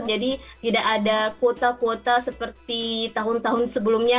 jadi tidak ada kuota kuota seperti tahun tahun sebelumnya